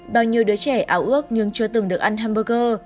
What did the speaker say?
bao nhiêu đứa trẻ áo ước nhưng chưa từng được ăn hamburger